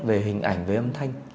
về hình ảnh về âm thanh